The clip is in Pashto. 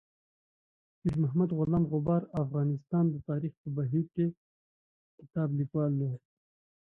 میر محمد غلام غبار افغانستان د تاریخ په بهیر کې کتاب لیکوال دی.